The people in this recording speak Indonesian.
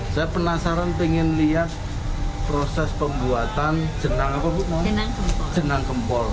saya penasaran pengen lihat proses pembuatan jenang gempol